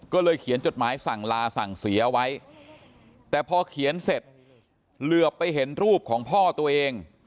ก็เลยเขียนจดหมายสั่งลาสั่งเสียเอาไว้แต่พอเขียนเสร็จเหลือไปเห็นรูปของพ่อตัวเอง